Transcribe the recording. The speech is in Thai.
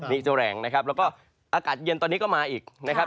นี่จะแรงนะครับแล้วก็อากาศเย็นตอนนี้ก็มาอีกนะครับ